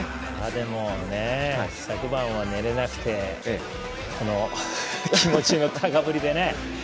でも、昨晩は寝られなくてこの気持ちのたかぶりで。